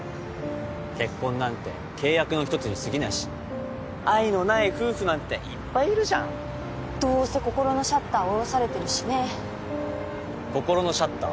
結婚なんて契約の一つにすぎないし愛のない夫婦なんていっぱいいるじゃんどうせ心のシャッター下ろされてるしね心のシャッター？